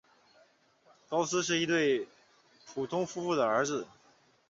高斯是一对普通夫妇的儿子。